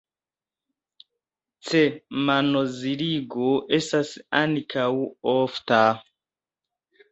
C-manoziligo estas ankaŭ ofta.